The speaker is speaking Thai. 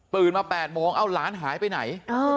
มา๘โมงเอ้าหลานหายไปไหน